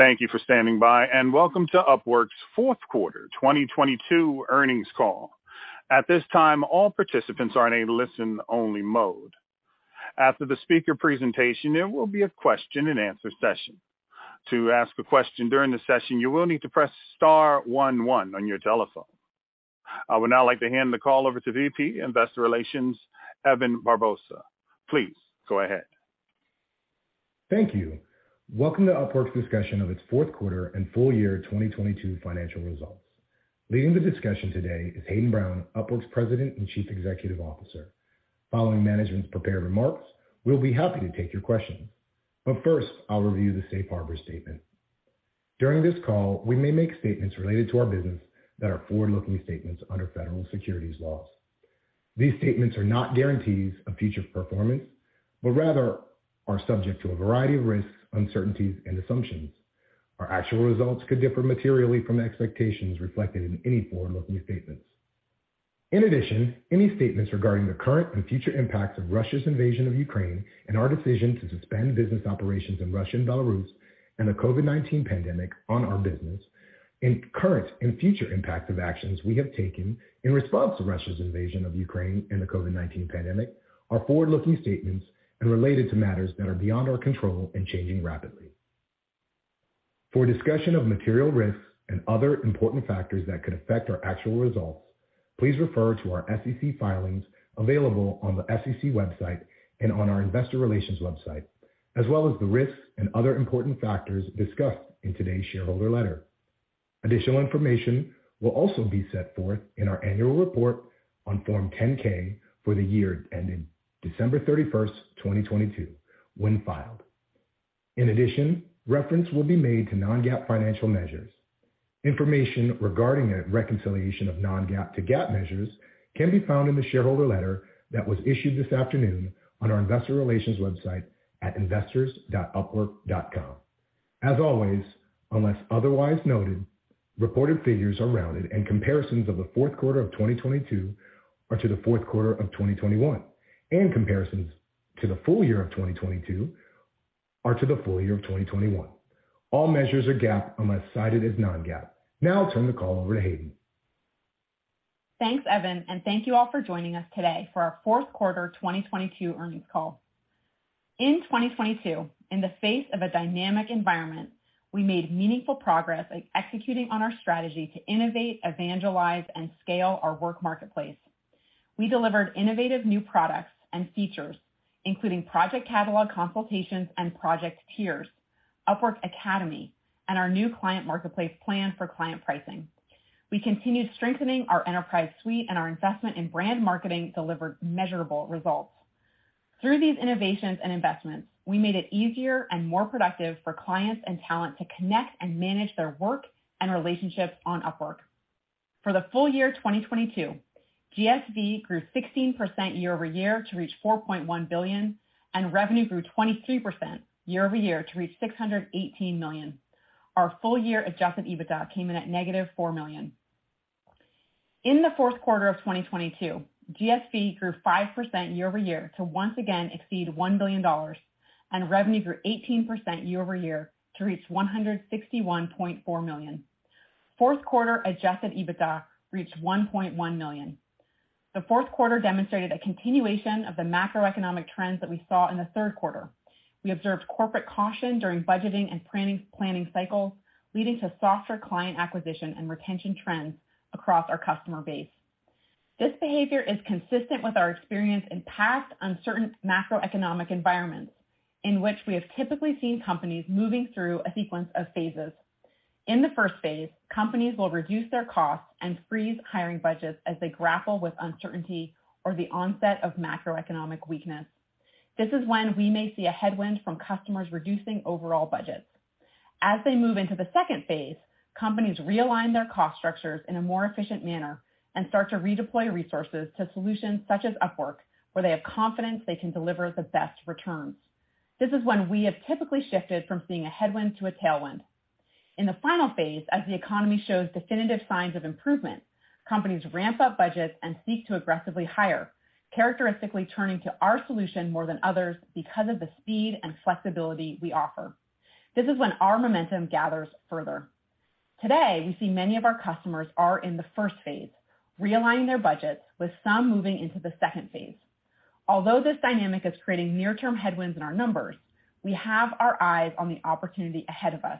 Thank you for standing by. Welcome to Upwork's fourth quarter 2022 earnings call. At this time, all participants are in a listen-only mode. After the speaker presentation, there will be a question-and-answer session. To ask a question during the session, you will need to press star 1 1 on your telephone. I would now like to hand the call over to VP Investor Relations, Evan Barak-Magen. Please go ahead. Thank you. Welcome to Upwork's discussion of its fourth quarter and full year 2022 financial results. Leading the discussion today is Hayden Brown, Upwork's President and Chief Executive Officer. Following management's prepared remarks, we'll be happy to take your questions. First, I'll review the safe harbor statement. During this call, we may make statements related to our business that are forward-looking statements under federal securities laws. These statements are not guarantees of future performance, but rather are subject to a variety of risks, uncertainties and assumptions. Our actual results could differ materially from expectations reflected in any forward-looking statements. Any statements regarding the current and future impacts of Russia's invasion of Ukraine and our decision to suspend business operations in Russia and Belarus and the COVID-19 pandemic on our business, and current and future impact of actions we have taken in response to Russia's invasion of Ukraine and the COVID-19 pandemic are forward-looking statements and related to matters that are beyond our control and changing rapidly. For a discussion of material risks and other important factors that could affect our actual results, please refer to our SEC filings available on the SEC website and on our investor relations website, as well as the risks and other important factors discussed in today's shareholder letter. Additional information will also be set forth in our annual report on Form 10-K for the year ending December 31, 2022, when filed. Reference will be made to non-GAAP financial measures. Information regarding a reconciliation of non-GAAP to GAAP measures can be found in the shareholder letter that was issued this afternoon on our investor relations website at investors.upwork.com. As always, unless otherwise noted, reported figures are rounded and comparisons of the fourth quarter of 2022 are to the fourth quarter of 2021 and comparisons to the full year of 2022 are to the full year of 2021. All measures are GAAP unless cited as non-GAAP. Now I'll turn the call over to Hayden. Thanks, Evan, thank you all for joining us today for our fourth quarter 2022 earnings call. In 2022, in the face of a dynamic environment, we made meaningful progress in executing on our strategy to innovate, evangelize, and scale our work marketplace. We delivered innovative new products and features, including Project Catalog consultations and project tiers, Upwork Academy, and our new Client Marketplace Plan for client pricing. We continued strengthening our enterprise suite and our investment in brand marketing delivered measurable results. Through these innovations and investments, we made it easier and more productive for clients and talent to connect and manage their work and relationships on Upwork. For the full year 2022, GSV grew 16% year-over-year to reach $4.1 billion, and revenue grew 23% year-over-year to reach $618 million. Our full year adjusted EBITDA came in at negative $4 million. In the fourth quarter of 2022, GSV grew 5% year-over-year to once again exceed $1 billion, and revenue grew 18% year-over-year to reach $161.4 million. Fourth quarter adjusted EBITDA reached $1.1 million. The fourth quarter demonstrated a continuation of the macroeconomic trends that we saw in the third quarter. We observed corporate caution during budgeting and planning cycles, leading to softer client acquisition and retention trends across our customer base. This behavior is consistent with our experience in past uncertain macroeconomic environments in which we have typically seen companies moving through a sequence of phases. In the first phase, companies will reduce their costs and freeze hiring budgets as they grapple with uncertainty or the onset of macroeconomic weakness. This is when we may see a headwind from customers reducing overall budgets. As they move into the second phase, companies realign their cost structures in a more efficient manner and start to redeploy resources to solutions such as Upwork, where they have confidence they can deliver the best returns. This is when we have typically shifted from seeing a headwind to a tailwind. In the final phase, as the economy shows definitive signs of improvement, companies ramp up budgets and seek to aggressively hire, characteristically turning to our solution more than others because of the speed and flexibility we offer. This is when our momentum gathers further. Today, we see many of our customers are in the first phase, realigning their budgets, with some moving into the second phase. Although this dynamic is creating near-term headwinds in our numbers, we have our eyes on the opportunity ahead of us.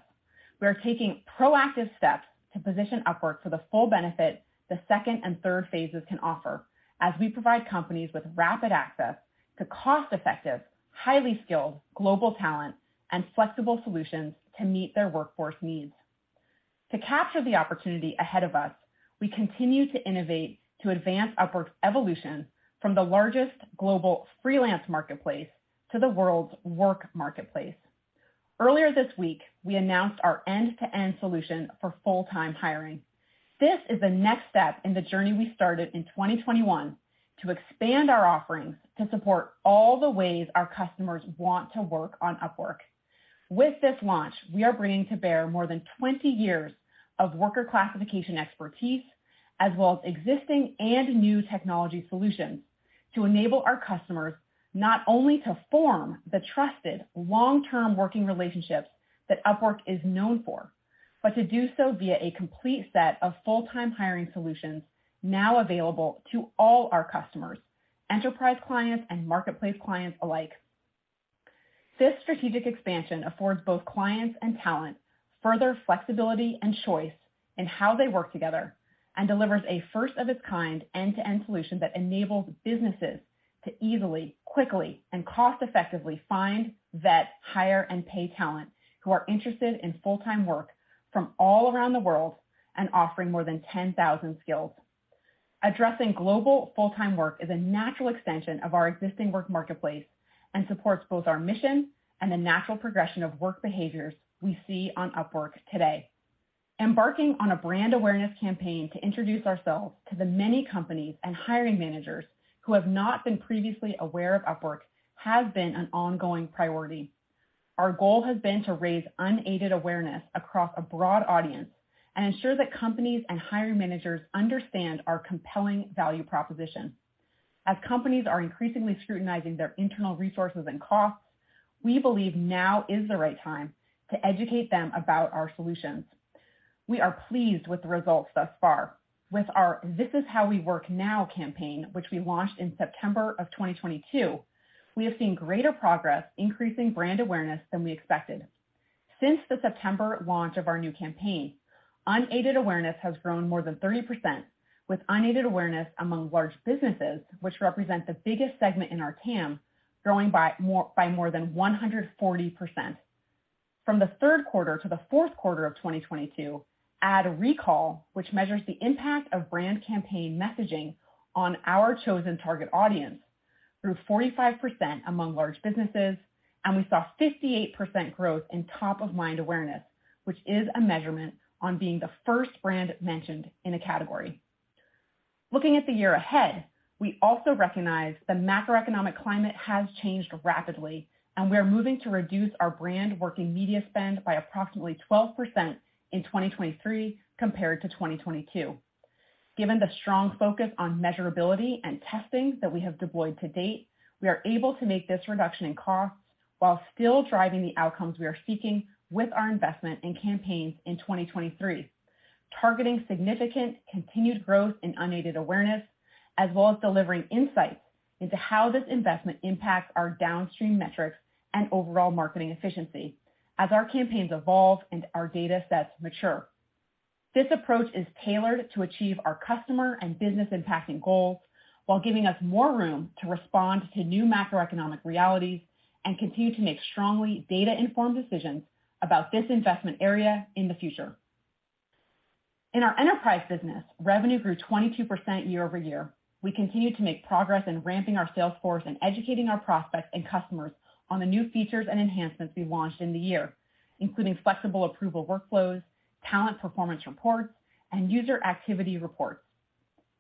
We are taking proactive steps to position Upwork for the full benefit the second and third phases can offer as we provide companies with rapid access to cost-effective, highly skilled global talent and flexible solutions to meet their workforce needs. To capture the opportunity ahead of us, we continue to innovate to advance Upwork's evolution from the largest global freelance marketplace to the world's work marketplace. Earlier this week, we announced our end-to-end solution for full-time hiring. This is the next step in the journey we started in 2021 to expand our offerings to support all the ways our customers want to work on Upwork. With this launch, we are bringing to bear more than 20 years of worker classification expertise, as well as existing and new technology solutions to enable our customers not only to form the trusted long-term working relationships that Upwork is known for, but to do so via a complete set of full-time hiring solutions now available to all our customers, enterprise clients and marketplace clients alike. This strategic expansion affords both clients and talent further flexibility and choice in how they work together and delivers a first of its kind end-to-end solution that enables businesses to easily, quickly, and cost-effectively find, vet, hire, and pay talent who are interested in full-time work from all around the world and offering more than 10,000 skills. Addressing global full-time work is a natural extension of our existing work marketplace and supports both our mission and the natural progression of work behaviors we see on Upwork today. Embarking on a brand awareness campaign to introduce ourselves to the many companies and hiring managers who have not been previously aware of Upwork has been an ongoing priority. Our goal has been to raise unaided awareness across a broad audience and ensure that companies and hiring managers understand our compelling value proposition. As companies are increasingly scrutinizing their internal resources and costs, we believe now is the right time to educate them about our solutions. We are pleased with the results thus far. With our This Is How We Work Now campaign, which we launched in September of 2022, we have seen greater progress increasing brand awareness than we expected. Since the September launch of our new campaign, unaided awareness has grown more than 30%, with unaided awareness among large businesses, which represent the biggest segment in our TAM, growing by more than 140%. From the third quarter to the fourth quarter of 2022, ad recall, which measures the impact of brand campaign messaging on our chosen target audience, grew 45% among large businesses, and we saw 58% growth in top of mind awareness, which is a measurement on being the first brand mentioned in a category. Looking at the year ahead, we also recognize the macroeconomic climate has changed rapidly, and we are moving to reduce our brand working media spend by approximately 12% in 2023 compared to 2022. Given the strong focus on measurability and testing that we have deployed to date, we are able to make this reduction in cost while still driving the outcomes we are seeking with our investment in campaigns in 2023. Targeting significant continued growth in unaided awareness as well as delivering insights into how this investment impacts our downstream metrics and overall marketing efficiency as our campaigns evolve and our data sets mature. This approach is tailored to achieve our customer and business impacting goals while giving us more room to respond to new macroeconomic realities and continue to make strongly data-informed decisions about this investment area in the future. In our enterprise business, revenue grew 22% year-over-year. We continued to make progress in ramping our sales force and educating our prospects and customers on the new features and enhancements we launched in the year, including flexible approval workflows, talent performance reports, and user activity reports.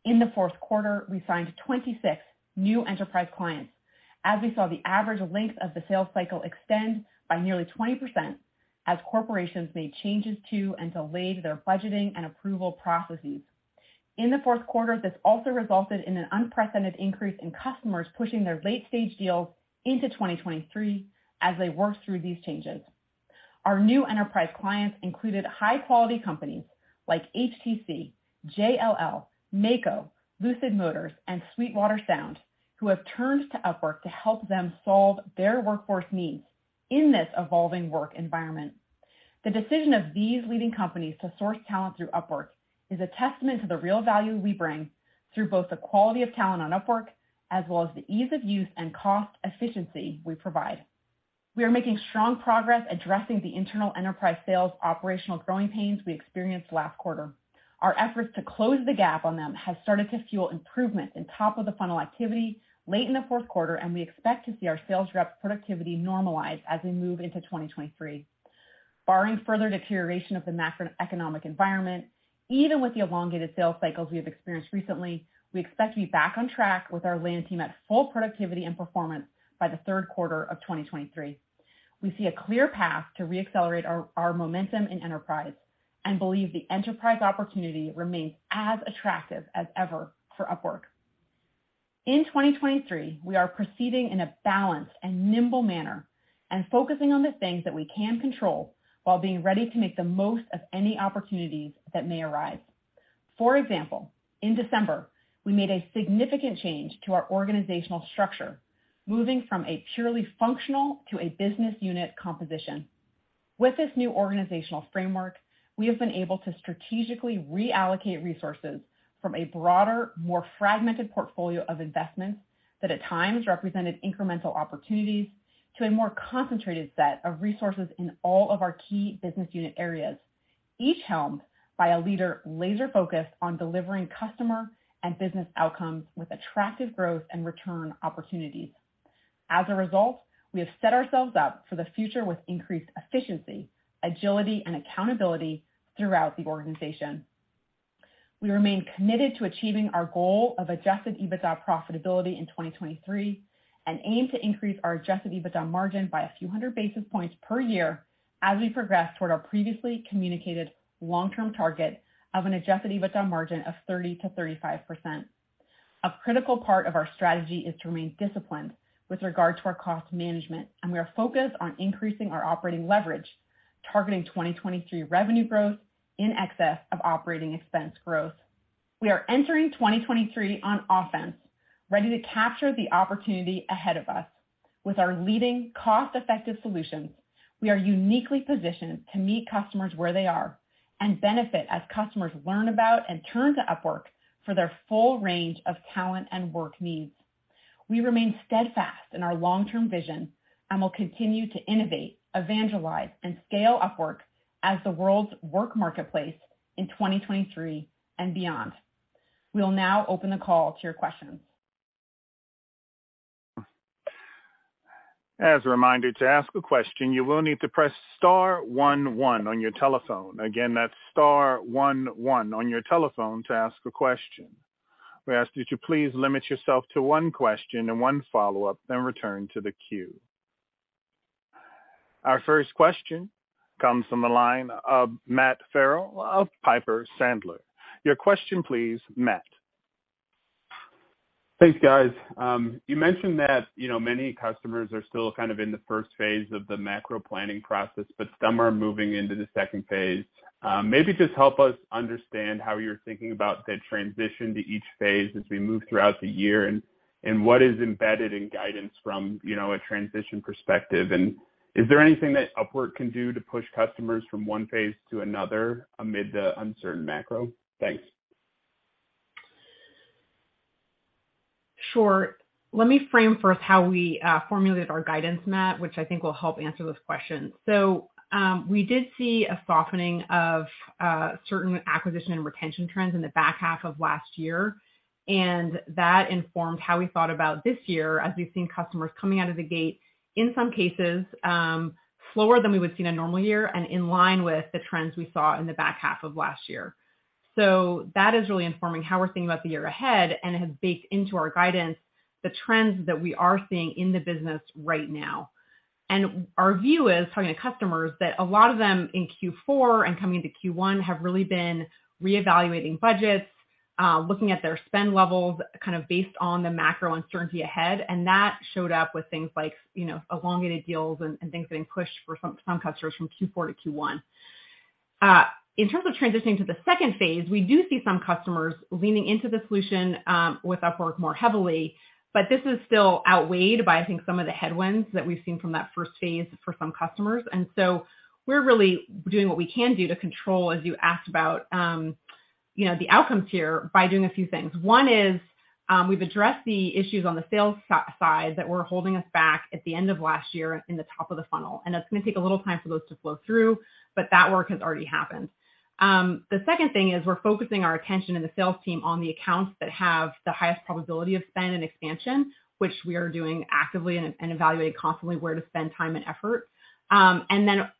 In the fourth quarter, we signed 26 new enterprise clients as we saw the average length of the sales cycle extend by nearly 20% as corporations made changes to and delayed their budgeting and approval processes. In the fourth quarter, this also resulted in an unprecedented increase in customers pushing their late-stage deals into 2023 as they worked through these changes. Our new enterprise clients included high-quality companies like HTC, JLL, Mako, Lucid Motors, and Sweetwater, who have turned to Upwork to help them solve their workforce needs in this evolving work environment. The decision of these leading companies to source talent through Upwork is a testament to the real value we bring through both the quality of talent on Upwork as well as the ease of use and cost efficiency we provide. We are making strong progress addressing the internal enterprise sales operational growing pains we experienced last quarter. Our efforts to close the gap on them has started to fuel improvement in top of the funnel activity late in the fourth quarter, and we expect to see our sales rep productivity normalize as we move into 2023. Barring further deterioration of the macroeconomic environment, even with the elongated sales cycles we have experienced recently, we expect to be back on track with our land team at full productivity and performance by the third quarter of 2023. We see a clear path to re-accelerate our momentum in enterprise and believe the enterprise opportunity remains as attractive as ever for Upwork. In 2023, we are proceeding in a balanced and nimble manner and focusing on the things that we can control while being ready to make the most of any opportunities that may arise. For example, in December, we made a significant change to our organizational structure, moving from a purely functional to a business unit composition. With this new organizational framework, we have been able to strategically reallocate resources from a broader, more fragmented portfolio of investments that at times represented incremental opportunities to a more concentrated set of resources in all of our key business unit areas, each helmed by a leader laser-focused on delivering customer and business outcomes with attractive growth and return opportunities. As a result, we have set ourselves up for the future with increased efficiency, agility, and accountability throughout the organization. We remain committed to achieving our goal of adjusted EBITDA profitability in 2023 and aim to increase our adjusted EBITDA margin by a few hundred basis points per year as we progress toward our previously communicated long-term target of an adjusted EBITDA margin of 30%-35%. A critical part of our strategy is to remain disciplined with regard to our cost management, and we are focused on increasing our operating leverage, targeting 2023 revenue growth in excess of operating expense growth. We are entering 2023 on offense, ready to capture the opportunity ahead of us. With our leading cost-effective solutions, we are uniquely positioned to meet customers where they are and benefit as customers learn about and turn to Upwork for their full range of talent and work needs. We remain steadfast in our long-term vision and will continue to innovate, evangelize, and scale Upwork as the world's work marketplace in 2023 and beyond. We'll now open the call to your questions. As a reminder, to ask a question, you will need to press star 1 1 on your telephone. That's star 1 1 on your telephone to ask a question. We ask that you please limit yourself to 1 question and 1 follow-up, then return to the queue. Our first question comes from the line of Matt Farrell of Piper Sandler. Your question, please, Matt. Thanks, guys. You mentioned that, you know, many customers are still kind of in the first phase of the macro planning process, but some are moving into the second phase. Maybe just help us understand how you're thinking about the transition to each phase as we move throughout the year and what is embedded in guidance from, you know, a transition perspective? Is there anything that Upwork can do to push customers from one phase to another amid the uncertain macro? Thanks. Sure. Let me frame first how we formulate our guidance, Matt, which I think will help answer those questions. We did see a softening of certain acquisition and retention trends in the back half of last year, and that informed how we thought about this year as we've seen customers coming out of the gate, in some cases, slower than we would see in a normal year and in line with the trends we saw in the back half of last year. That is really informing how we're thinking about the year ahead and has baked into our guidance the trends that we are seeing in the business right now. Our view is, talking to customers, that a lot of them in Q4 and coming to Q1 have really been reevaluating budgets, looking at their spend levels, kind of based on the macro uncertainty ahead. That showed up with things like, you know, elongated deals and things getting pushed for some customers from Q4 to Q1. In terms of transitioning to the second phase, we do see some customers leaning into the solution with Upwork more heavily, but this is still outweighed by, I think, some of the headwinds that we've seen from that first phase for some customers. We're really doing what we can do to control, as you asked about, you know, the outcomes here by doing a few things. 1 is, we've addressed the issues on the sales size that were holding us back at the end of last year in the top of the funnel. That's gonna take a little time for those to flow through, but that work has already happened. The second thing is we're focusing our attention in the sales team on the accounts that have the highest probability of spend and expansion, which we are doing actively and evaluating constantly where to spend time and effort.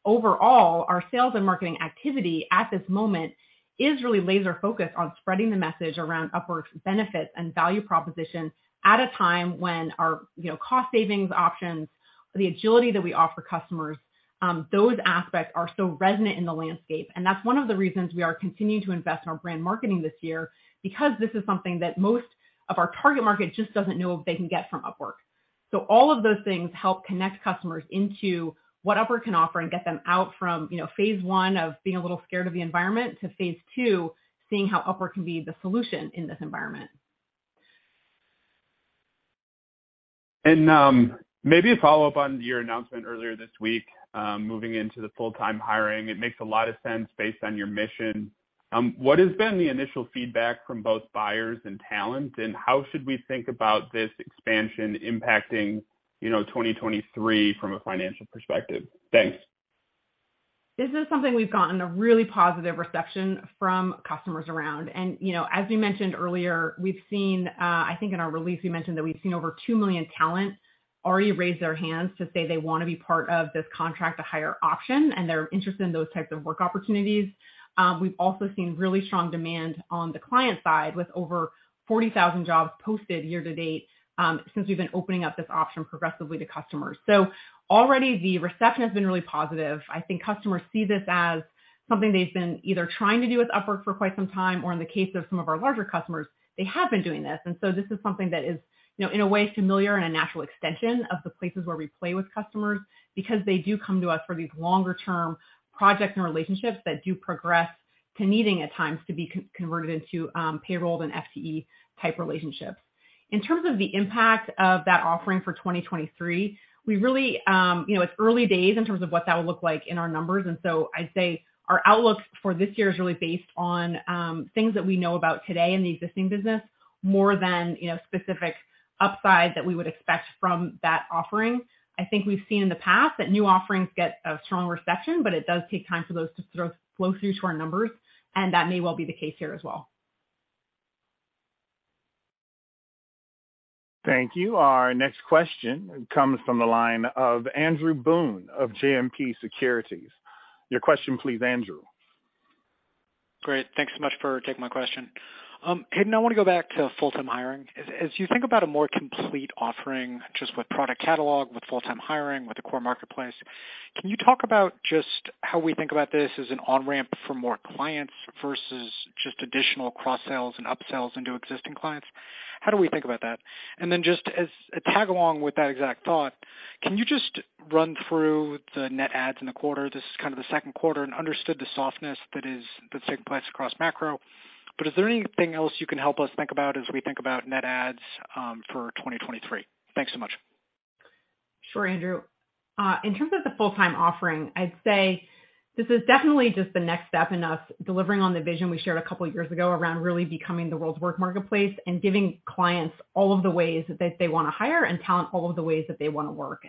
Overall, our sales and marketing activity at this moment is really laser-focused on spreading the message around Upwork's benefits and value proposition at a time when our, you know, cost savings options, the agility that we offer customers, those aspects are so resonant in the landscape. That's one of the reasons we are continuing to invest in our brand marketing this year, because this is something that most of our target market just doesn't know they can get from Upwork. All of those things help connect customers into what Upwork can offer and get them out from, you know, phase 1 of being a little scared of the environment to phase 2, seeing how Upwork can be the solution in this environment. Maybe a follow-up on your announcement earlier this week, moving into the full-time hiring. It makes a lot of sense based on your mission. What has been the initial feedback from both buyers and talent, and how should we think about this expansion impacting, you know, 2023 from a financial perspective? Thanks. This is something we've gotten a really positive reception from customers around. you know, as we mentioned earlier, we've seen, I think in our release, we mentioned that we've seen over 2 million talent already raise their hands to say they wanna be part of this contract-to-hire option, and they're interested in those types of work opportunities. We've also seen really strong demand on the client side with over 40,000 jobs posted year to date, since we've been opening up this option progressively to customers. Already the reception has been really positive. I think customers see this as something they've been either trying to do with Upwork for quite some time, or in the case of some of our larger customers, they have been doing this. This is something that is, you know, in a way familiar and a natural extension of the places where we play with customers because they do come to us for these longer-term projects and relationships that do progress to needing at times to be converted into payrolled and FTE-type relationships. In terms of the impact of that offering for 2023, we really, you know, it's early days in terms of what that will look like in our numbers. I'd say our outlook for this year is really based on things that we know about today in the existing business more than, you know, specific upside that we would expect from that offering. I think we've seen in the past that new offerings get a strong reception, but it does take time for those to flow through to our numbers, and that may well be the case here as well. Thank you. Our next question comes from the line of Andrew Boone of JMP Securities. Your question please, Andrew. Great. Thanks so much for taking my question. Hayden, I wanna go back to full-time hiring. As you think about a more complete offering just with Project Catalog, with full-time hiring, with the core marketplace, can you talk about just how we think about this as an on-ramp for more clients versus just additional cross-sells and upsells into existing clients? How do we think about that? Then just as a tag along with that exact thought, can you just run through the net adds in the quarter? This is kind of the second quarter and understood the softness that's taking place across macro. Is there anything else you can help us think about as we think about net adds, for 2023? Thanks so much. Sure, Andrew. In terms of the full-time offering, I'd say this is definitely just the next step in us delivering on the vision we shared a couple of years ago around really becoming the world's work marketplace and giving clients all of the ways that they want to hire, and talent all of the ways that they want to work.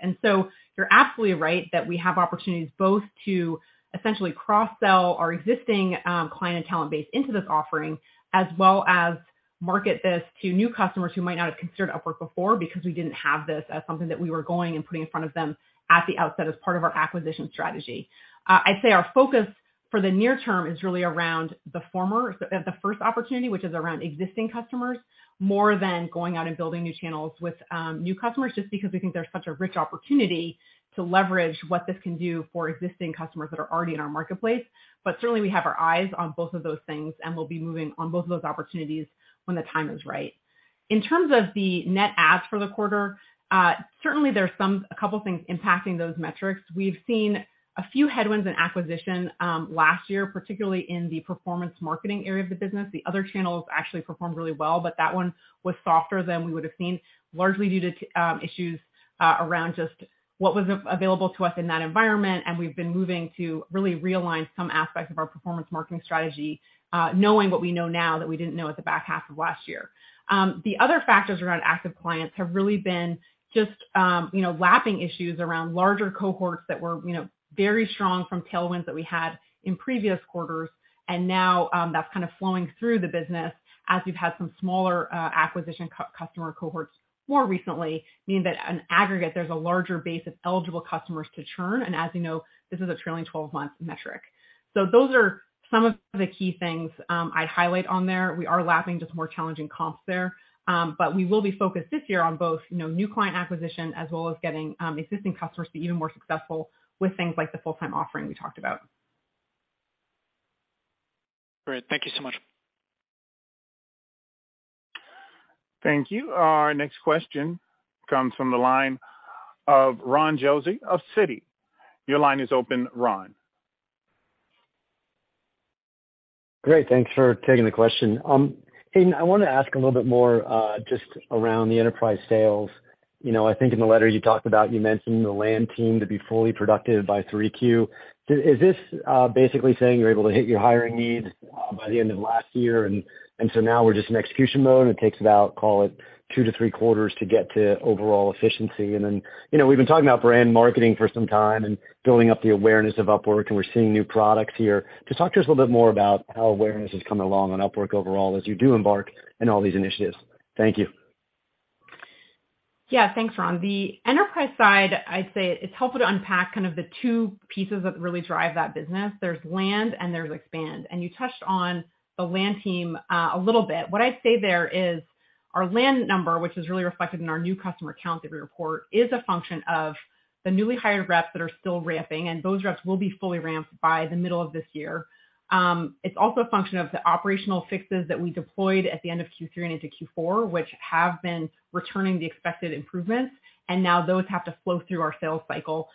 You're absolutely right that we have opportunities both to essentially cross-sell our existing client and talent base into this offering, as well as market this to new customers who might not have considered Upwork before because we didn't have this as something that we were going and putting in front of them at the outset as part of our acquisition strategy. I'd say our focus for the near term is really around the former, the first opportunity, which is around existing customers, more than going out and building new channels with new customers just because we think there's such a rich opportunity to leverage what this can do for existing customers that are already in our marketplace. Certainly we have our eyes on both of those things, and we'll be moving on both of those opportunities when the time is right. In terms of the net adds for the quarter, certainly there's a couple things impacting those metrics. We've seen a few headwinds in acquisition last year, particularly in the performance marketing area of the business. The other channels actually performed really well, but that one was softer than we would have seen, largely due to issues around just what was available to us in that environment. We've been moving to really realign some aspects of our performance marketing strategy, knowing what we know now that we didn't know at the back half of last year. The other factors around active clients have really been just, you know, lapping issues around larger cohorts that were, you know, very strong from tailwinds that we had in previous quarters. Now, that's kind of flowing through the business as we've had some smaller acquisition customer cohorts more recently, meaning that on aggregate, there's a larger base of eligible customers to churn. As you know, this is a trailing-twelve-month metric. Those are some of the key things I'd highlight on there. We are lapping just more challenging comps there. We will be focused this year on both, you know, new client acquisition as well as getting existing customers to be even more successful with things like the full-time offering we talked about. Great. Thank you so much. Thank you. Our next question comes from the line of Ron Josey of Citi. Your line is open, Ron. Great. Thanks for taking the question. Hayden, I wanna ask a little bit more, just around the enterprise sales. You know, I think in the letter you talked about, you mentioned the land team to be fully productive by 3Q. Is this basically saying you're able to hit your hiring needs by the end of last year, and so now we're just in execution mode, and it takes about, call it, 2-3 quarters to get to overall efficiency? Then, you know, we've been talking about brand marketing for some time and building up the awareness of Upwork, and we're seeing new products here. Just talk to us a little bit more about how awareness is coming along on Upwork overall as you do embark in all these initiatives. Thank you. Yeah. Thanks, Ron. The enterprise side, I'd say it's helpful to unpack kind of the 2 pieces that really drive that business. There's land, and there's expand. You touched on the land team a little bit. What I'd say there is our land number, which is really reflected in our new customer counts that we report, is a function of the newly hired reps that are still ramping, and those reps will be fully ramped by the middle of this year. It's also a function of the operational fixes that we deployed at the end of Q3 and into Q4, which have been returning the expected improvements, and now those have to flow through our sales cycle.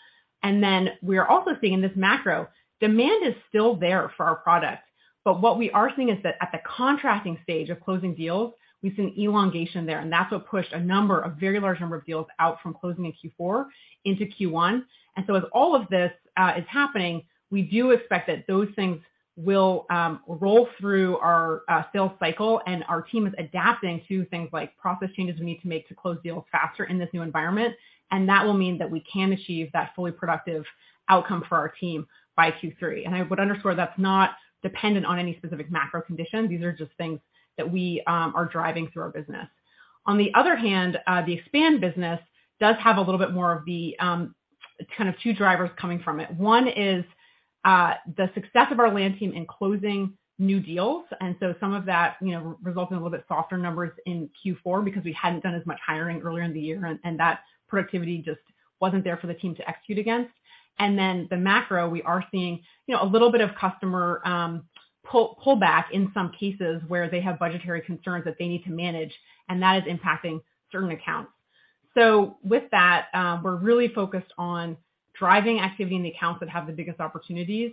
We are also seeing this macro. Demand is still there for our product. What we are seeing is that at the contracting stage of closing deals, we've seen elongation there, and that's what pushed a number, a very large number of deals out from closing in Q4 into Q1. As all of this is happening, we do expect that those things will roll through our sales cycle, and our team is adapting to things like process changes we need to make to close deals faster in this new environment. That will mean that we can achieve that fully productive outcome for our team by Q3. I would underscore that's not dependent on any specific macro conditions. These are just things that we are driving through our business. On the other hand, the expand business does have a little bit more of the kind of 2 drivers coming from it. 1 is the success of our land team in closing new deals. Some of that, you know, resulted in a little bit softer numbers in Q4 because we hadn't done as much hiring earlier in the year, and that productivity just wasn't there for the team to execute against. The macro, we are seeing, you know, a little bit of customer pull back in some cases where they have budgetary concerns that they need to manage, and that is impacting certain accounts. With that, we're really focused on driving activity in the accounts that have the biggest opportunities,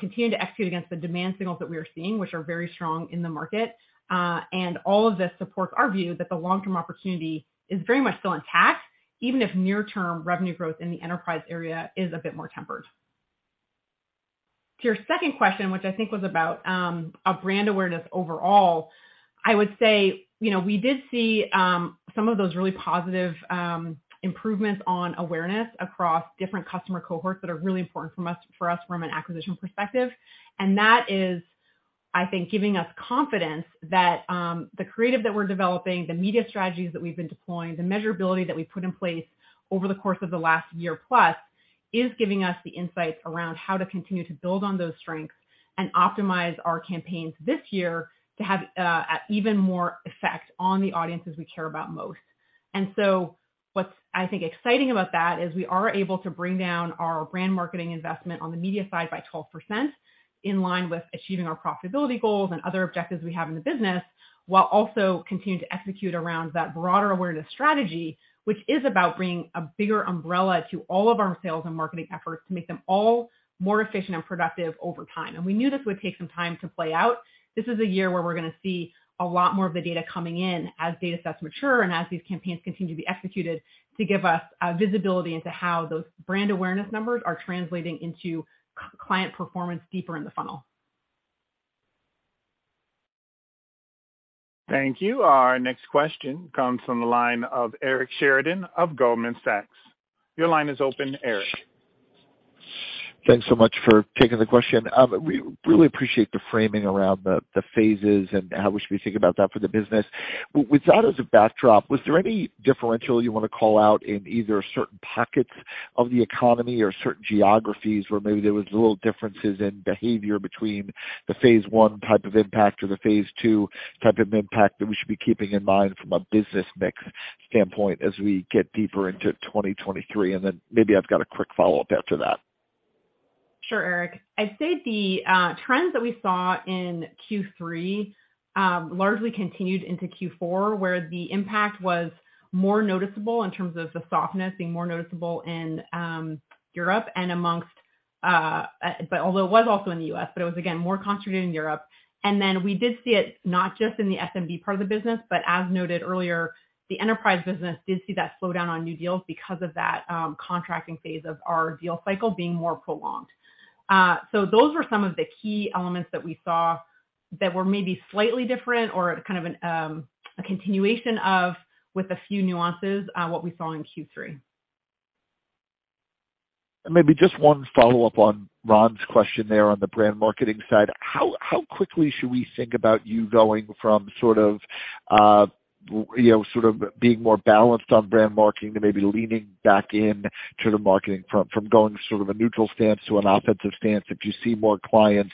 continuing to execute against the demand signals that we are seeing, which are very strong in the market. All of this supports our view that the long-term opportunity is very much still intact, even if near-term revenue growth in the enterprise area is a bit more tempered. To your second question, which I think was about our brand awareness overall, I would say, you know, we did see some of those really positive improvements on awareness across different customer cohorts that are really important for us from an acquisition perspective. That is, I think, giving us confidence that the creative that we're developing, the media strategies that we've been deploying, the measurability that we put in place over the course of the last year plus is giving us the insights around how to continue to build on those strengths and optimize our campaigns this year to have even more effect on the audiences we care about most. What's, I think, exciting about that is we are able to bring down our brand marketing investment on the media side by 12% in line with achieving our profitability goals and other objectives we have in the business, while also continuing to execute around that broader awareness strategy, which is about bringing a bigger umbrella to all of our sales and marketing efforts to make them all more efficient and productive over time. We knew this would take some time to play out. This is a year where we're gonna see a lot more of the data coming in as data sets mature and as these campaigns continue to be executed to give us visibility into how those brand awareness numbers are translating into client performance deeper in the funnel. Thank you. Our next question comes from the line of Eric Sheridan of Goldman Sachs. Your line is open, Eric. Thanks so much for taking the question. We really appreciate the framing around the phases and how we should be thinking about that for the business. With that as a backdrop, was there any differential you wanna call out in either certain pockets of the economy or certain geographies where maybe there was little differences in behavior between the phase 1 type of impact or the phase 2 type of impact that we should be keeping in mind from a business mix standpoint as we get deeper into 2023? Then maybe I've got a quick follow-up after that. Sure, Eric. I'd say the trends that we saw in Q3, largely continued into Q4, where the impact was more noticeable in terms of the softness being more noticeable in Europe and amongst, but although it was also in the U.S., but it was again more concentrated in Europe. We did see it not just in the SMB part of the business, but as noted earlier, the enterprise business did see that slowdown on new deals because of that, contracting phase of our deal cycle being more prolonged. Those were some of the key elements that we saw that were maybe slightly different or kind of a continuation of with a few nuances on what we saw in Q3. Maybe just 1 follow-up on Ron's question there on the brand marketing side. How quickly should we think about you going from sort of, you know, sort of being more balanced on brand marketing to maybe leaning back in to the marketing from going sort of a neutral stance to an offensive stance if you see more clients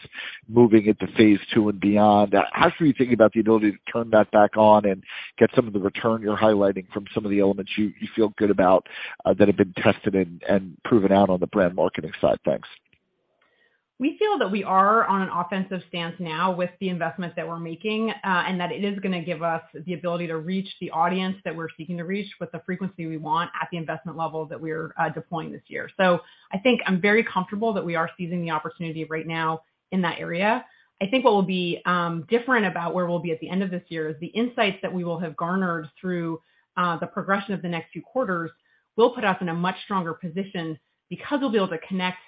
moving into phase 2 and beyond? How should we think about the ability to turn that back on and get some of the return you're highlighting from some of the elements you feel good about that have been tested and proven out on the brand marketing side? Thanks. We feel that we are on an offensive stance now with the investment that we're making, and that it is gonna give us the ability to reach the audience that we're seeking to reach with the frequency we want at the investment level that we're deploying this year. I think I'm very comfortable that we are seizing the opportunity right now in that area. I think what will be different about where we'll be at the end of this year is the insights that we will have garnered through the progression of the next few quarters will put us in a much stronger position because we'll be able to connect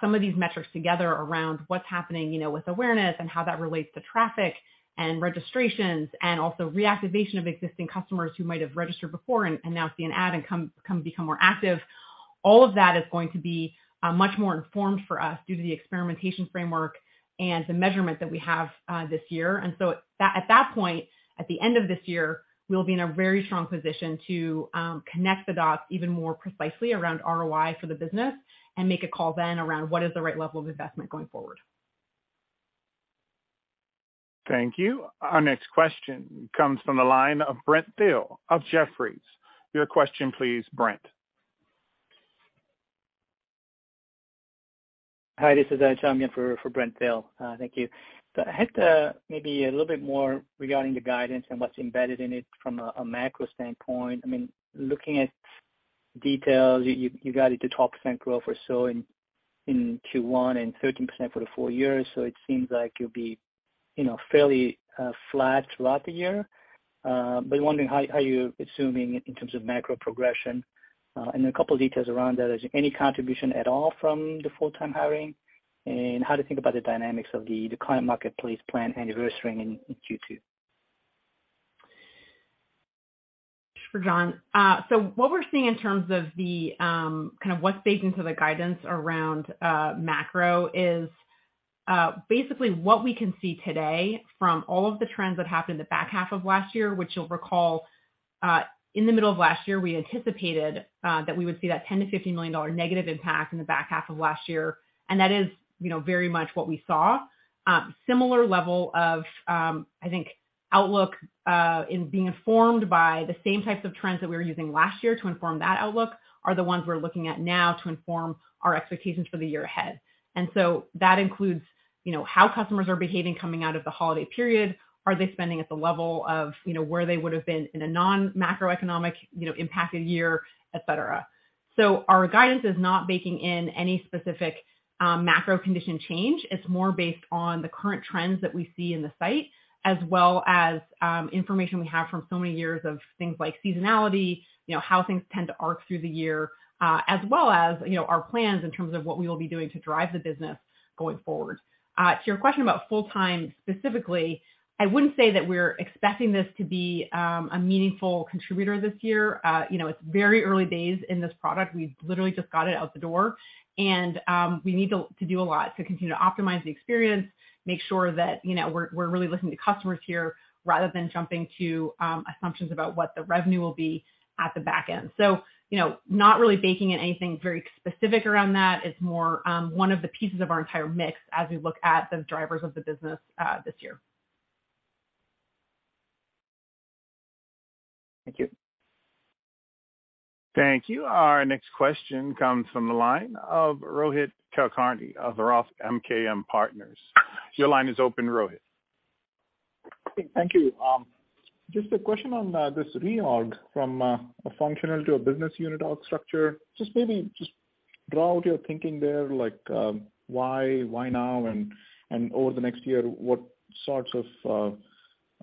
some of these metrics together around what's happening, you know, with awareness and how that relates to traffic and registrations and also reactivation of existing customers who might have registered before and now see an ad and come become more active. All of that is going to be much more informed for us due to the experimentation framework and the measurement that we have this year. At that point, at the end of this year, we'll be in a very strong position to connect the dots even more precisely around ROI for the business and make a call then around what is the right level of investment going forward. Thank you. Our next question comes from the line of Brent Thill of Jefferies. Your question, please, Brent. Hi, this is John Byun for Brent Thill. Thank you. I had maybe a little bit more regarding the guidance and what's embedded in it from a macro standpoint. I mean, looking at details, you guided to 12% growth or so in Q1 and 13% for the full year. It seems like you'll be, you know, fairly flat throughout the year. Wondering how you're assuming in terms of macro progression and a couple of details around that. Is there any contribution at all from the full-time hiring? How do you think about the dynamics of the Client Marketplace Plan anniversarying in Q2? Sure, John. What we're seeing in terms of the kind of what's baked into the guidance around macro is basically what we can see today from all of the trends that happened in the back half of last year, which you'll recall, in the middle of last year, we anticipated that we would see that $10 million-$15 million negative impact in the back half of last year. That is, you know, very much what we saw. Similar level of, I think, outlook, in being informed by the same types of trends that we were using last year to inform that outlook, are the ones we're looking at now to inform our expectations for the year ahead. That includes, you know, how customers are behaving coming out of the holiday period. Are they spending at the level of, you know, where they would have been in a non-macroeconomic, you know, impacted year, et cetera. Our guidance is not baking in any specific macro condition change. It's more based on the current trends that we see in the site, as well as information we have from so many years of things like seasonality, you know, how things tend to arc through the year, as well as, you know, our plans in terms of what we will be doing to drive the business going forward. Your question about full-time specifically, I wouldn't say that we're expecting this to be a meaningful contributor this year. You know, it's very early days in this product. We've literally just got it out the door, and we need to do a lot to continue to optimize the experience, make sure that, you know, we're really listening to customers here rather than jumping to assumptions about what the revenue will be at the back end. You know, not really baking in anything very specific around that. It's more 1 of the pieces of our entire mix as we look at the drivers of the business this year. Thank you. Thank you. Our next question comes from the line of Rohit Kulkarni of ROTH MKM. Your line is open, Rohit. Thank you. Just a question on this reorg from a functional to a business unit org structure. Just maybe just draw out your thinking there, like, why now? Over the next year, what sorts of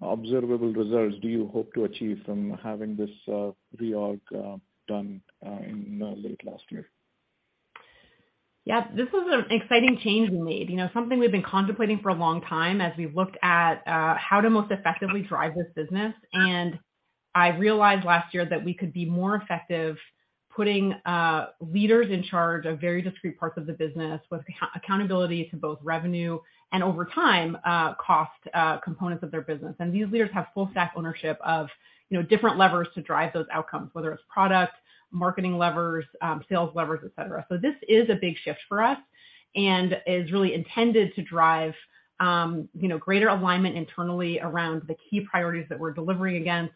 observable results do you hope to achieve from having this reorg done in late last year? Yeah, this is an exciting change we made. You know, something we've been contemplating for a long time as we've looked at how to most effectively drive this business. I realized last year that we could be more effective putting leaders in charge of very discrete parts of the business with accountability to both revenue and over time, cost components of their business. These leaders have full stack ownership of, you know, different levers to drive those outcomes, whether it's product, marketing levers, sales levers, et cetera. This is a big shift for us and is really intended to drive, you know, greater alignment internally around the key priorities that we're delivering against.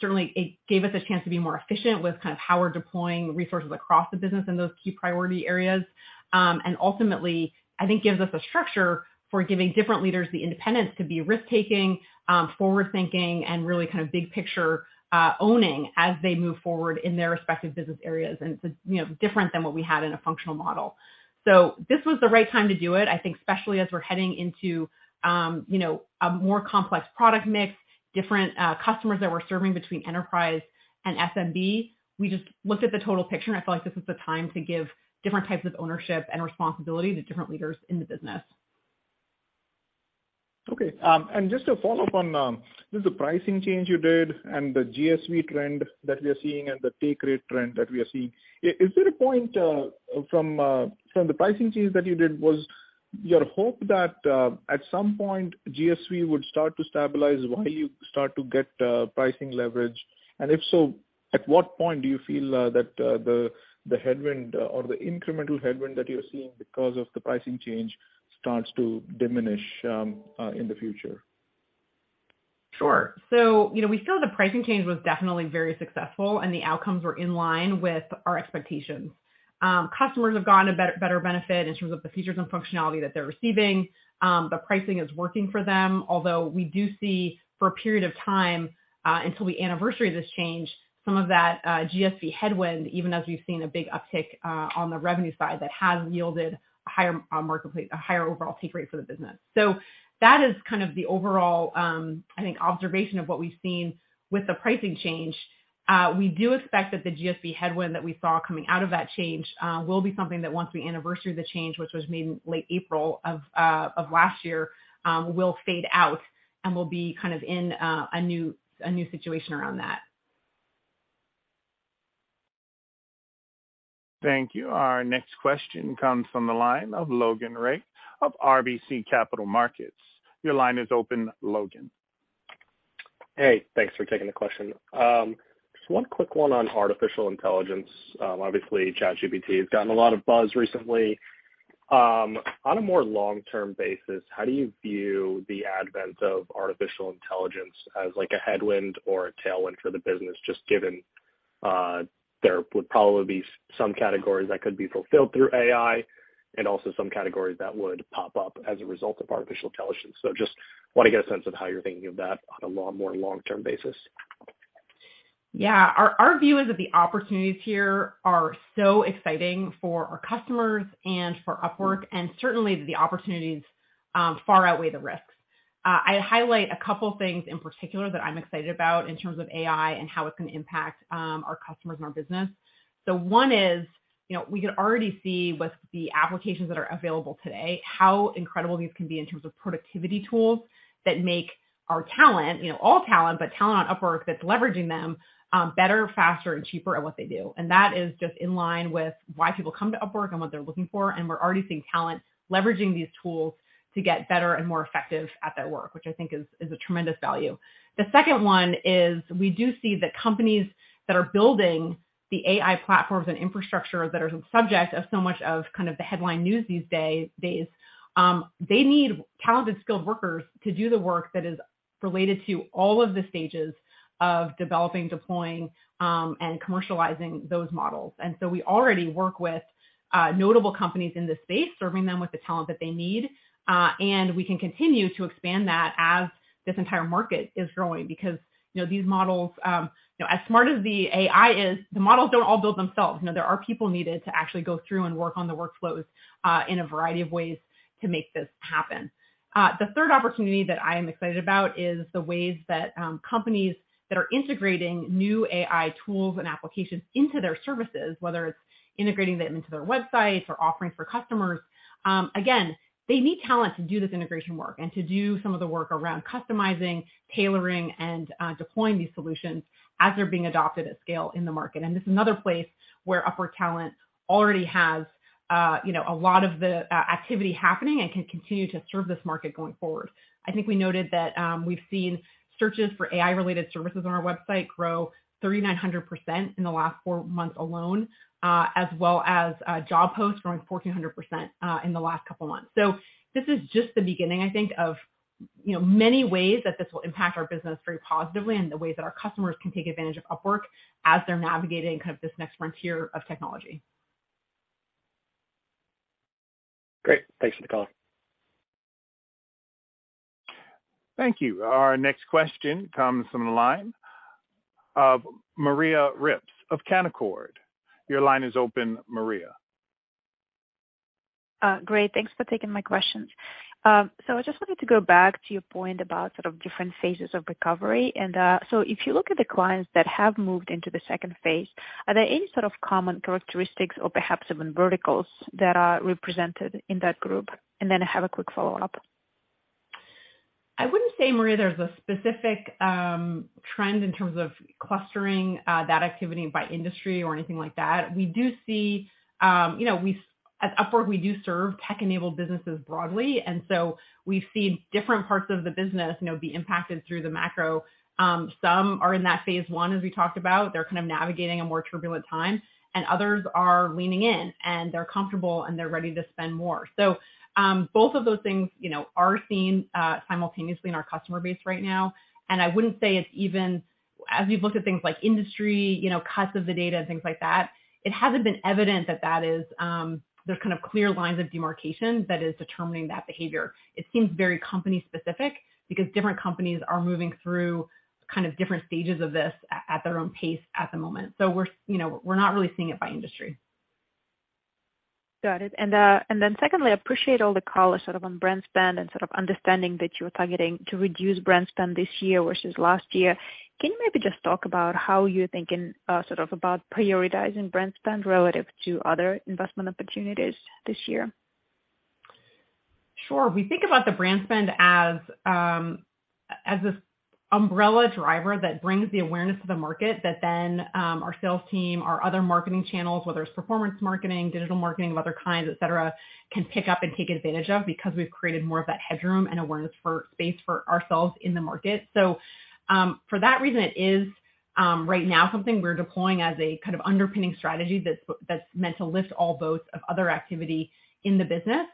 Certainly it gave us a chance to be more efficient with kind of how we're deploying resources across the business in those key priority areas. Ultimately, I think gives us a structure for giving different leaders the independence to be risk-taking, forward-thinking and really kind of big picture, owning as they move forward in their respective business areas. It's, you know, different than what we had in a functional model. This was the right time to do it, I think especially as we're heading into, you know, a more complex product mix, different, customers that we're serving between enterprise and SMB. We just looked at the total picture, and I feel like this is the time to give different types of ownership and responsibility to different leaders in the business. Just to follow up on just the pricing change you did and the GSV trend that we are seeing and the take rate trend that we are seeing. Is there a point from the pricing change that you did, was your hope that at some point GSV would start to stabilize while you start to get pricing leverage? If so, at what point do you feel that the headwind or the incremental headwind that you're seeing because of the pricing change starts to diminish in the future? Sure. You know, we feel the pricing change was definitely very successful and the outcomes were in line with our expectations. Customers have gotten a better benefit in terms of the features and functionality that they're receiving. The pricing is working for them. Although we do see for a period of time, until we anniversary this change, some of that, GSV headwind, even as we've seen a big uptick, on the revenue side that has yielded a higher overall take rate for the business. That is kind of the overall, I think observation of what we've seen with the pricing change. We do expect that the GSV headwind that we saw coming out of that change will be something that once we anniversary the change, which was made in late April of last year, will fade out and we'll be kind of in a new situation around that. Thank you. Our next question comes from the line of Logan Reich of RBC Capital Markets. Your line is open, Logan. Hey, thanks for taking the question. Just 1 quick one on artificial intelligence. Obviously ChatGPT has gotten a lot of buzz recently. On a more long-term basis, how do you view the advent of artificial intelligence as like a headwind or a tailwind for the business, just given there would probably be some categories that could be fulfilled through AI and also some categories that would pop up as a result of artificial intelligence? Just wanna get a sense of how you're thinking of that on a lot more long-term basis. Our, our view is that the opportunities here are so exciting for our customers and for Upwork, and certainly the opportunities far outweigh the risks. I highlight a couple things in particular that I'm excited about in terms of AI and how it's gonna impact our customers and our business. 1 is, you know, we can already see with the applications that are available today how incredible these can be in terms of productivity tools that make our talent, you know, all talent, but talent on Upwork that's leveraging them, better, faster, and cheaper at what they do. That is just in line with why people come to Upwork and what they're looking for, and we're already seeing talent leveraging these tools to get better and more effective at their work, which I think is a tremendous value. The second one is we do see that companies that are building the AI platforms and infrastructure that are subject of so much of kind of the headline news these days, they need talented, skilled workers to do the work that is related to all of the stages of developing, deploying, and commercializing those models. We already work with notable companies in this space, serving them with the talent that they need. We can continue to expand that as this entire market is growing because, you know, these models, you know, as smart as the AI is, the models don't all build themselves. You know, there are people needed to actually go through and work on the workflows in a variety of ways to make this happen. The third opportunity that I am excited about is the ways that companies that are integrating new AI tools and applications into their services, whether it's integrating them into their websites or offerings for customers. Again, they need talent to do this integration work and to do some of the work around customizing, tailoring, and deploying these solutions as they're being adopted at scale in the market. This is another place where Upwork talent already has, you know, a lot of the activity happening and can continue to serve this market going forward. I think we noted that we've seen searches for AI-related services on our website grow 3,900% in the last 4 months alone, as well as job posts growing 1,400% in the last couple months. This is just the beginning, I think, of, you know, many ways that this will impact our business very positively and the way that our customers can take advantage of Upwork as they're navigating kind of this next frontier of technology. Great. Thanks for the call. Thank you. Our next question comes from the line of Maria Ripps of Canaccord Genuity. Your line is open, Maria. Great, thanks for taking my questions. I just wanted to go back to your point about sort of different phases of recovery. If you look at the clients that have moved into the second phase, are there any sort of common characteristics or perhaps even verticals that are represented in that group? I have a quick follow-up. I wouldn't say, Maria, there's a specific trend in terms of clustering that activity by industry or anything like that. We do see, you know, at Upwork, we do serve tech-enabled businesses broadly. We see different parts of the business, you know, be impacted through the macro. Some are in that phase 1, as we talked about. They're kind of navigating a more turbulent time, and others are leaning in, and they're comfortable and they're ready to spend more. Both of those things, you know, are seen simultaneously in our customer base right now. I wouldn't say it's even as we've looked at things like industry, you know, cuts of the data, things like that, it hasn't been evident that that is, there's kind of clear lines of demarcation that is determining that behaviour. It seems very company-specific because different companies are moving through kind of different stages of this at their own pace at the moment. We're, you know, we're not really seeing it by industry. Got it. Then secondly, I appreciate all the color sort of on brand spend and sort of understanding that you're targeting to reduce brand spend this year versus last year. Can you maybe just talk about how you're thinking sort of about prioritizing brand spend relative to other investment opportunities this year? Sure. We think about the brand spend as this umbrella driver that brings the awareness to the market that then, our sales team, our other marketing channels, whether it's performance marketing, digital marketing of other kinds, et cetera, can pick up and take advantage of because we've created more of that headroom and awareness for space for ourselves in the market. For that reason, it is right now something we're deploying as a kind of underpinning strategy that's meant to lift all boats of other activity in the business.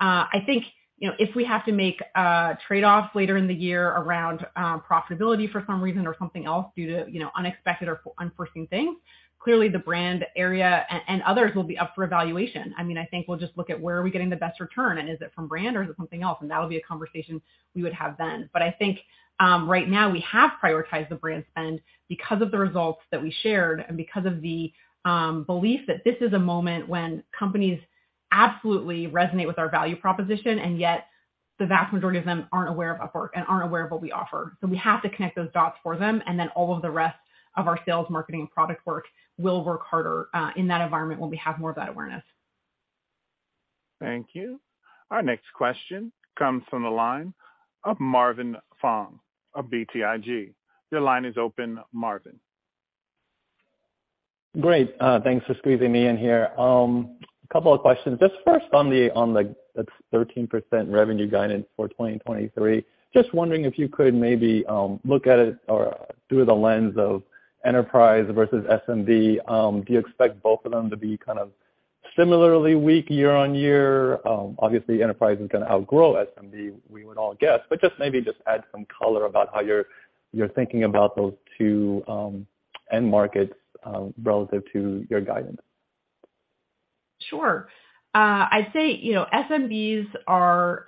I think, you know, if we have to make a trade-off later in the year around profitability for some reason or something else due to, you know, unexpected or unforeseen things, clearly the brand area and others will be up for evaluation. I mean, I think we'll just look at where are we getting the best return and is it from brand or is it something else, and that would be a conversation we would have then. I think, right now we have prioritized the brand spend because of the results that we shared and because of the belief that this is a moment when companies absolutely resonate with our value proposition, and yet the vast majority of them aren't aware of Upwork and aren't aware of what we offer. We have to connect those dots for them, and then all of the rest of our sales, marketing, product work will work harder in that environment when we have more of that awareness. Thank you. Our next question comes from the line of Marvin Fong of BTIG. Your line is open, Marvin. Great. Thanks for squeezing me in here. A couple of questions. Just first on the, on the 13% revenue guidance for 2023. Just wondering if you could maybe look at it or through the lens of enterprise versus SMB. Do you expect both of them to be kind of similarly weak year-on-year? Obviously enterprise is gonna outgrow SMB, we would all guess, but just maybe just add some color about how you're thinking about those 2 end markets relative to your guidance. Sure. I'd say, you know, SMBs are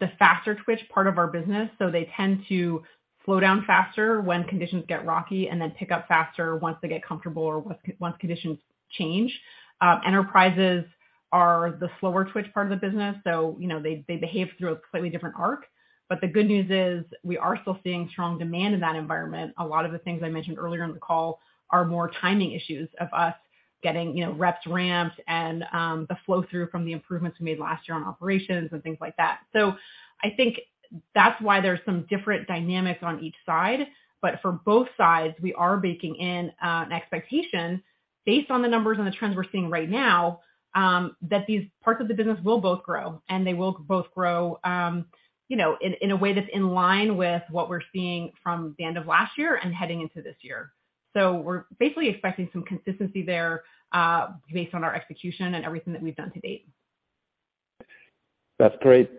the faster twitch part of our business, so they tend to slow down faster when conditions get rocky and then pick up faster once they get comfortable or once conditions change. enterprises are the slower twitch part of the business, so, you know, they behave through a slightly different arc. The good news is we are still seeing strong demand in that environment. A lot of the things I mentioned earlier in the call are more timing issues of us getting, you know, reps ramped and the flow-through from the improvements we made last year on operations and things like that. I think that's why there's some different dynamics on each side. For both sides, we are baking in an expectation based on the numbers and the trends we're seeing right now, that these parts of the business will both grow, and they will both grow, you know, in a way that's in line with what we're seeing from the end of last year and heading into this year. We're basically expecting some consistency there, based on our execution and everything that we've done to date. That's great.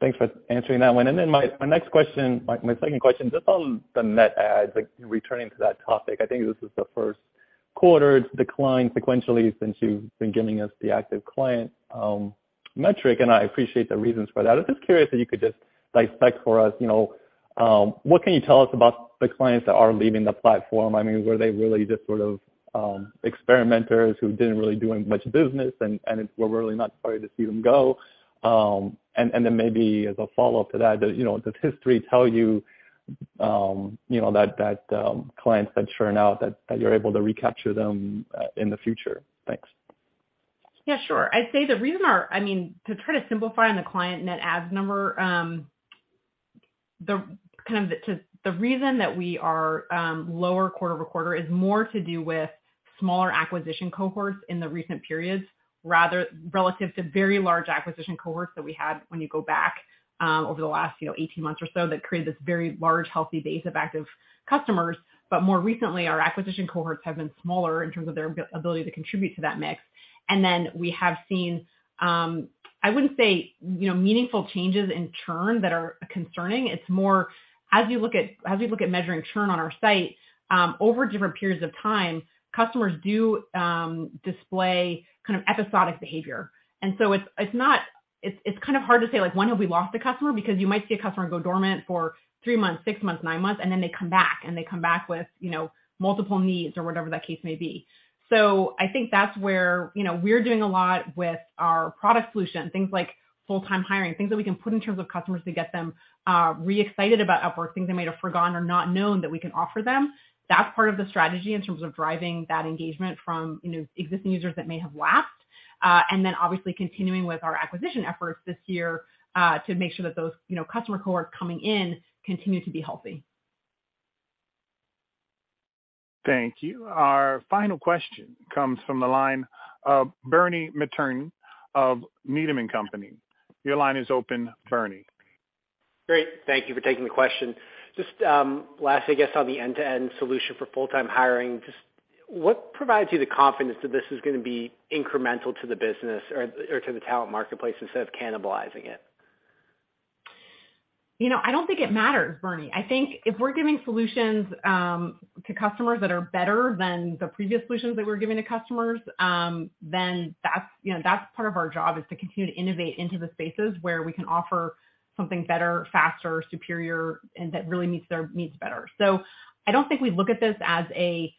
Thanks for answering that one. My next question, my second question, just on the net adds, like returning to that topic. I think this is the first quarter to decline sequentially since you've been giving us the active client metric, and I appreciate the reasons for that. I'm just curious if you could just dissect for us, you know, what can you tell us about the clients that are leaving the platform? I mean, were they really just sort of experimenters who didn't really do much business and we're really not sorry to see them go? Maybe as a follow-up to that, you know, does history tell you know, that clients that churn out that you're able to recapture them in the future? Thanks. Yeah, sure. I'd say the reason our... I mean, to try to simplify on the client net adds number, the reason that we are lower quarter-over-quarter is more to do with smaller acquisition cohorts in the recent periods, rather relative to very large acquisition cohorts that we had when you go back, over the last, you know, 18 months or so that created this very large, healthy base of active customers. More recently, our acquisition cohorts have been smaller in terms of their ability to contribute to that mix. Then we have seen, I wouldn't say, you know, meaningful changes in churn that are concerning. It's more as you look at, as we look at measuring churn on our site, over different periods of time, customers do display kind of episodic behavior. It's, it's kind of hard to say, like, when have we lost a customer because you might see a customer go dormant for 3 months, 6 months, 9 months, and then they come back and they come back with, you know, multiple needs or whatever that case may be. I think that's where, you know, we're doing a lot with our product solution, things like full-time hiring, things that we can put in terms of customers to get them re-excited about Upwork, things they might have forgotten or not known that we can offer them. That's part of the strategy in terms of driving that engagement from, you know, existing users that may have lapsed. Obviously continuing with our acquisition efforts this year to make sure that those, you know, customer cohorts coming in continue to be healthy. Thank you. Our final question comes from the line of Bernie McTernan of Needham & Company. Your line is open, Bernie. Great. Thank you for taking the question. Just, lastly, I guess on the end-to-end solution for full-time hiring, just what provides you the confidence that this is gonna be incremental to the business or to the talent marketplace instead of cannibalizing it? You know, I don't think it matters, Bernie. I think if we're giving solutions to customers that are better than the previous solutions that we're giving to customers, then that's, you know, that's part of our job is to continue to innovate into the spaces where we can offer something better, faster, superior, and that really meets their needs better. I don't think we look at this as a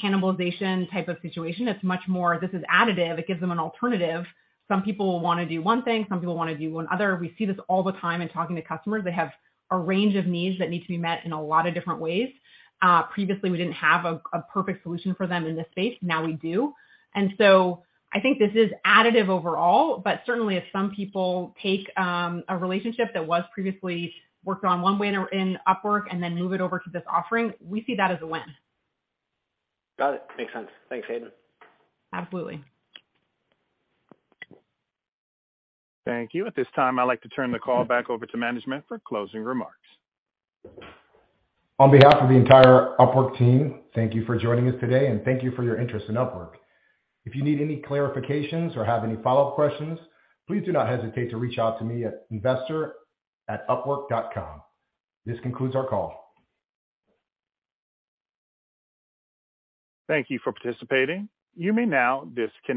cannibalization type of situation. It's much more this is additive. It gives them an alternative. Some people will wanna do one thing, some people wanna do one other. We see this all the time in talking to customers. They have a range of needs that need to be met in a lot of different ways. Previously, we didn't have a perfect solution for them in this space. Now we do. I think this is additive overall. Certainly if some people take a relationship that was previously worked on 1 way in Upwork and then move it over to this offering, we see that as a win. Got it. Makes sense. Thanks, Hayden. Absolutely. Thank you. At this time, I'd like to turn the call back over to management for closing remarks. On behalf of the entire Upwork team, thank you for joining us today. Thank you for your interest in Upwork. If you need any clarifications or have any follow-up questions, please do not hesitate to reach out to me at investor@upwork.com. This concludes our call. Thank you for participating. You may now disconnect.